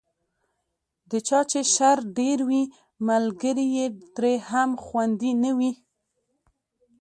د چا چې شر ډېر وي، ملګری یې ترې هم خوندي نه وي.